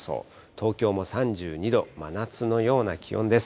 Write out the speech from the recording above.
東京も３２度、真夏のような気温です。